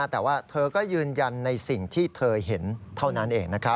แต่ว่าเธอก็ยืนยันในสิ่งที่เธอเห็นเท่านั้นเอง